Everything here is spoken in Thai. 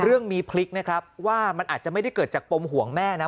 เรื่องมีพลิกนะครับว่ามันอาจจะไม่ได้เกิดจากปมห่วงแม่นะ